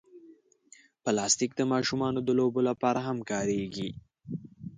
پلاستيک د ماشومانو د لوبو لپاره هم کارېږي.